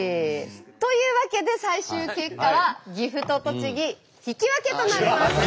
というわけで最終結果は岐阜と栃木引き分けとなりました。